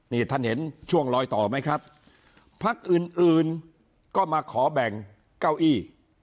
นี่ท่านเห็นช่วงลอยต่อไหมครับพักอื่นอื่นก็มาขอแบ่งเก้าอี้